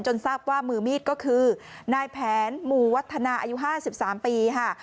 ทราบว่ามือมีดก็คือนายแผนหมู่วัฒนาอายุ๕๓ปีค่ะ